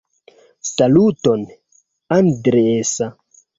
Saluton, Andreas!